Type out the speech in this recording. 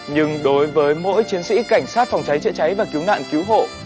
nhưng đối với mỗi chiến sĩ cảnh sát phòng cháy chữa cháy và cứu nạn cứu hộ